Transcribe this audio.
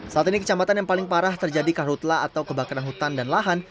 saat ini kecamatan yang paling parah terjadi karutla atau kebakaran hutan dan lahan